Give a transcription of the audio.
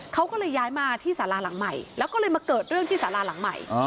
เขาก็เลยย้ายมาที่สาราหลังใหม่แล้วก็เลยมาเกิดเรื่องที่สาราหลังใหม่